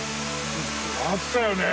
あったよね。